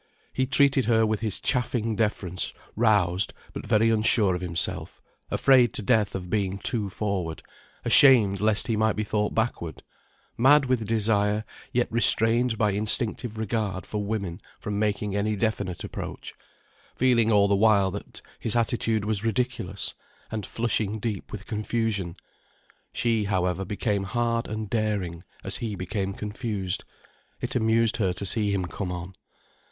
He treated her with his chaffing deference, roused, but very unsure of himself, afraid to death of being too forward, ashamed lest he might be thought backward, mad with desire yet restrained by instinctive regard for women from making any definite approach, feeling all the while that his attitude was ridiculous, and flushing deep with confusion. She, however, became hard and daring as he became confused, it amused her to see him come on.